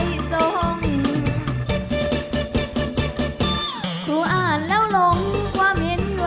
สมาธิพร้อมเพลงพร้อมร้องได้ให้ล้านเพลงที่๑เพลงมาครับ